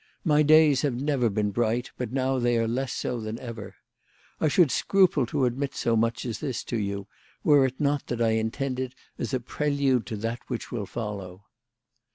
My days have never been bright, but now they are less so than ever. I should scruple to admit so much as this to you, were it not that I intend it as a prelude to that which will follow.